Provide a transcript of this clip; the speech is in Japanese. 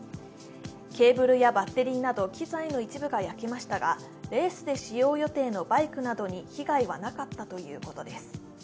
ケーブルやバッテリーなど機材の一部が焼けましたが、レースで使用予定のバイクなどに被害はなかったということです。